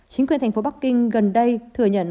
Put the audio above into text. chính quyền thành phố bắc kinh gần đây thừa nhận